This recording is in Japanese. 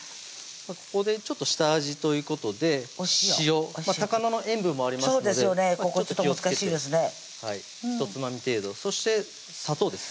ここでちょっと下味ということで塩高菜の塩分もありますのでちょっと気をつけてひとつまみ程度そして砂糖です